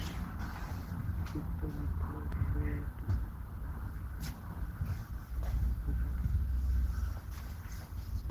গড়ানো কিকটা ধরতে ভালোই একটা পরীক্ষা হয়ে যায় ডাচ গোলকিপার সিলেসেনের।